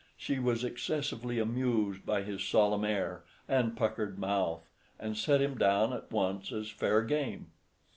She was excessively amused by his solemn air and puckered mouth, and set him down at once as fair game.